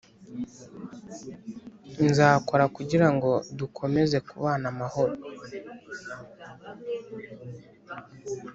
nzakora kugira ngo dukomeze kubana amahoro